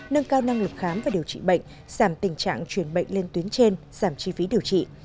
nâng cao năng lực khám và điều trị bệnh giảm tình trạng chuyển bệnh lên tuyến trên giảm chi phí điều trị